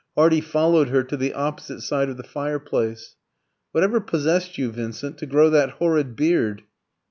Hardy followed her to the opposite side of the fireplace. "Whatever possessed you, Vincent, to grow that horrid beard?"